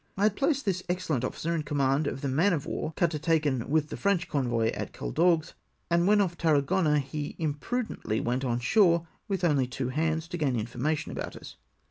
I had placed this excellent ofiicer in command of the man of war cutter taken with the French convoy at Caldagues, and when off Tarragona he imprudently went on shore mth only two hands, to gain information about us.